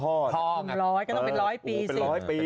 พร้อมร้อยก็ต้องเป็นร้อยปีสิ